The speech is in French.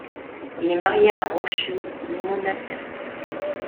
Il est marié à Rocío Monasterio.